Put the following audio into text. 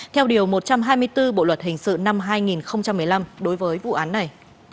theo điều một trăm hai mươi bốn bộ luật hình sự năm hai nghìn một mươi năm đối với vụ án này